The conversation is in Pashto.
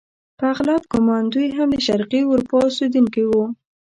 په اغلب ګومان دوی هم د شرقي اروپا اوسیدونکي وو.